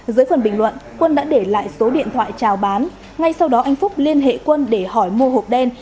dưới phần bình luận quân đã để lại số điện thoại trào bán ngay sau đó anh phúc liên hệ quân để hỏi mua hộp đen